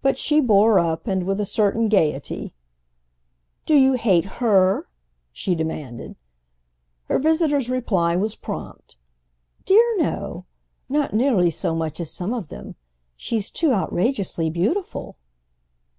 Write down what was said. But she bore up and, with a certain gaiety, "Do you hate her?" she demanded. Her visitor's reply was prompt. "Dear no!—not nearly so much as some of them. She's too outrageously beautiful."